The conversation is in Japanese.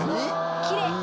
きれい。